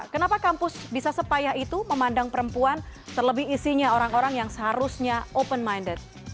kenapa kampus bisa sepayah itu memandang perempuan terlebih isinya orang orang yang seharusnya open minded